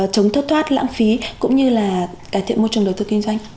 chống thất thoát lãng phí cũng như là cải thiện môi trường đầu tư kinh doanh